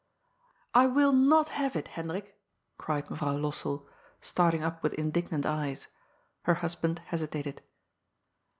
" I will not have it, Hendrik," cried Mevrouw Lossell, starting up with indignant eyes. Her husband hesitated.